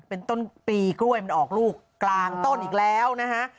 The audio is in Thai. เป็นต้นปีกล้วยมันออกลูกกลางต้นอีกแล้วนะฮะ